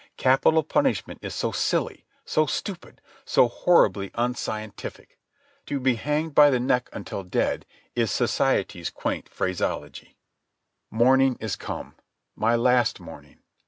Capital punishment is so silly, so stupid, so horribly unscientific. "To be hanged by the neck until dead" is society's quaint phraseology ... Morning is come—my last morning.